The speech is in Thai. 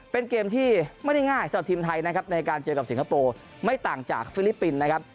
เป็นเกมที่ไม่ได้ง่ายสำหรับทีมไทยนะครับในการเจอกับสิงคโปร์ไม่ต่างจากฟิลิปปินส์นะครับ